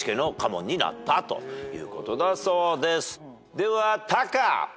ではタカ。